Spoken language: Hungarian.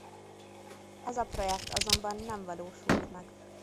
Ez a projekt azonban nem valósult meg.